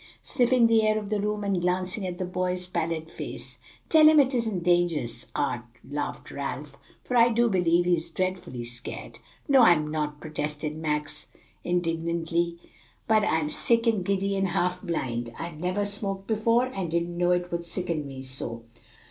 sniffing the air of the room and glancing at the boy's pallid face. "Tell him it isn't dangerous. Art," laughed Ralph, "for I do believe he's dreadfully scared." "No, I'm not!" protested Max indignantly, "but I'm sick, and giddy, and half blind. I never smoked before, and didn't know it would sicken me so."